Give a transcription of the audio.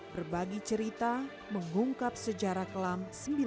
berbagi cerita mengungkap sejarah kelam seribu sembilan ratus sembilan puluh